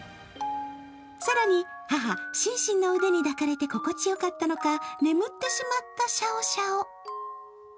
更に、母・シンシンの腕に抱かれて心地よかったのか眠ってしまったシャオシャオ。